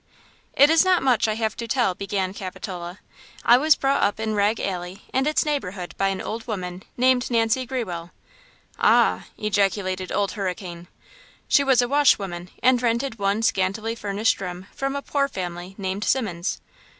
"IT is not much I have to tell," began Capitola. "I was brought up in Rag Alley and its neighborhood by an old woman named Nancy Grewell." "Ah!" ejaculated Old Hurricane. "She was a washwoman, and rented one scantily furnished room from a poor family named Simmons."